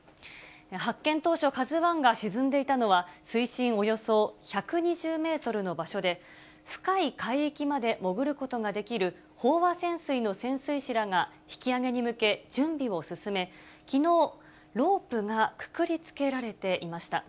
発見当初、ＫＡＺＵＩが沈んでいたのは、水深およそ１２０メートルの場所で、深い海域まで潜ることができる飽和潜水の潜水士らが引き揚げに向け準備を進め、きのう、ロープがくくりつけられていました。